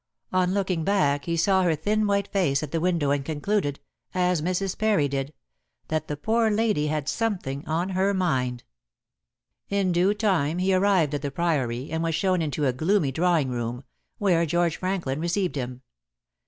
On looking back he saw her thin white face at the window and concluded as Mrs. Parry did that the poor lady had something on her mind. In due time he arrived at the Priory and was shown into a gloomy drawing room, where George Franklin received him.